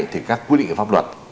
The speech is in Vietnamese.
thì các quy định pháp luật